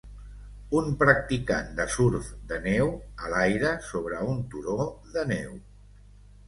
Un practicant de surf de neu a l'aire sobre un turó de neu.